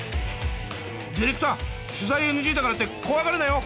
ディレクター取材ＮＧだからって怖がるなよ。